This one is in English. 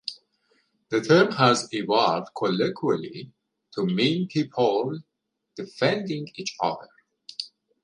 The term has evolved colloquially to mean people defending each other.